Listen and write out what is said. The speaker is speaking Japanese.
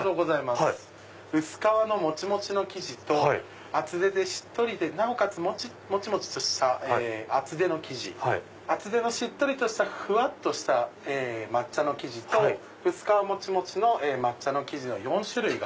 薄皮のもちもちの生地と厚手でしっとりでなおかつもちもちとした生地厚手のしっとりとしたふわっとした抹茶の生地と薄皮もちもちの抹茶の生地の４種類が。